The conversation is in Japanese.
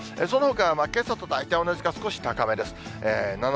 そのほかはけさと大体同じか、少し高めです。